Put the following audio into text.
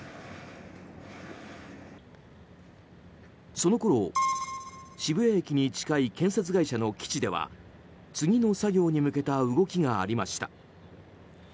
そのころ、渋谷駅に近い建設会社の基地では次の作業に向けた動きがありました。